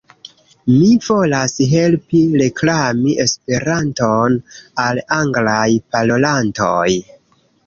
Mi volas helpi reklami Esperanton al anglaj parolantoj